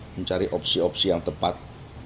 mencari opsi opsi yang tepat